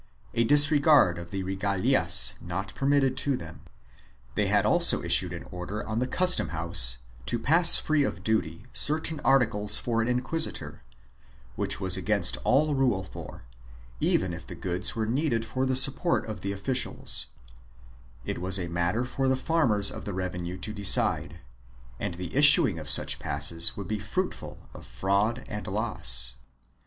a disregard of the regalias not permitted to them. They had also issued an order on the custom house to pass free of duty certain articles for an inquisi tor, which was against all rule for, even if the goods were needed for the support of the officials, it was a matter for the farmers of the revenue to decide, and the issuing of such passes would be fruitful of fraud and loss.